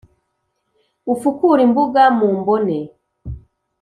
ufukure imbuga mu mbone